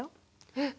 えっ！